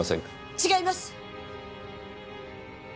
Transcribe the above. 違います！